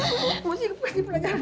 mesti kasih pelajaran